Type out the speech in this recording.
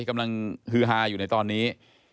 กำลังฮือฮาอยู่ในตอนนี้